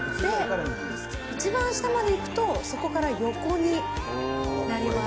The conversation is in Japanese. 一番下まで行くと、そこから横になります。